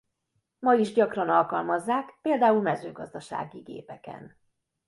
Ma is gyakran alkalmazzák például mezőgazdasági gépeken.